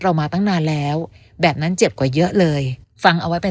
มาตั้งนานแล้วแบบนั้นเจ็บกว่าเยอะเลยฟังเอาไว้เป็น